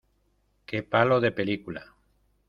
Qué palo de película.